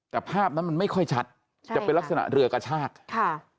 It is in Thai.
แต่ภาพนั้นมันไม่ค่อยชัดจะเป็นลักษณะเรือกระชากค่ะ